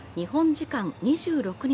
時間２６日